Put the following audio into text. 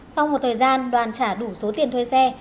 sau một thời gian đoàn trả đủ số tiền thuê xe